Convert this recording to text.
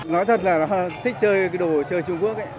nói thật là nó thích chơi cái đồ chơi trung quốc ấy